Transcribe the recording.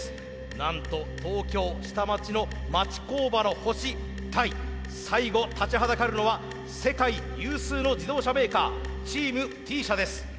なんと東京下町の町工場の星対最後立ちはだかるのは世界有数の自動車メーカーチームＴ社です。